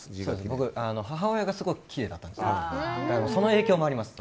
僕、母親がすごくきれいだったんですよ。